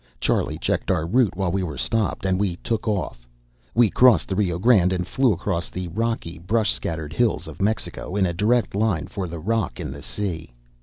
Charlie checked our route while we were stopped. And we took off; we crossed the Rio Grande and flew across the rocky, brush scattered hills of Mexico, in a direct line for the rock in the sea.